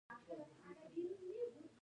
پښتانه دې د خپلې ژبې لپاره قرباني ورکړي.